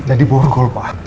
dia diborgol pak